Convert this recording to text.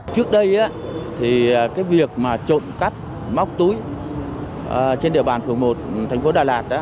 trước đây việc trộn cắp móc túi trên địa bàn phường một tp đà lạt